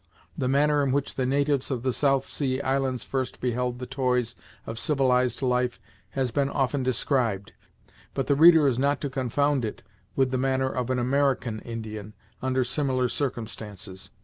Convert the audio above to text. The manner in which the natives of the South Sea Islands first beheld the toys of civilized life has been often described, but the reader is not to confound it with the manner of an American Indian, under similar circumstances.